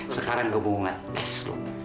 sekarang gua mau ngetes lu